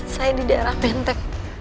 saya di daerah benteng